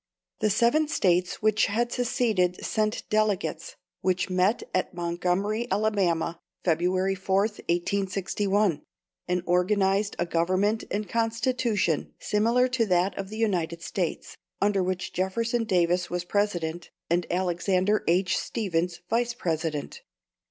The seven States which had seceded sent delegates, which met at Montgomery, Alabama, February 4th, 1861, and organised a government and constitution similar to that of the United States, under which Jefferson Davis was President, and Alexander H. Stephens Vice President.